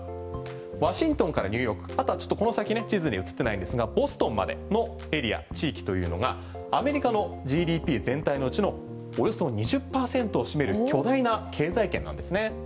ワシントンからニューヨークあとはこの先は地図に映ってないんですがボストンまでのエリア地域というのがアメリカのＧＤＰ全体のうちのおよそ２０％を占める巨大な経済圏なんですね。